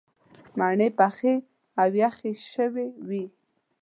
مڼې پخې او یخې شوې وې.